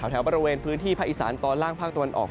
แถวประเทศพระอิสานตอนล่างภาคตะวันออก